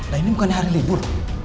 nah ini bukan hari libur